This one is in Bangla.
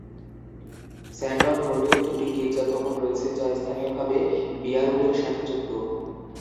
স্যানডন রোডে দুটি গির্জা ভবন রয়েছে যা স্থানীয়ভাবে বিয়ারউডের সাথে যুক্ত।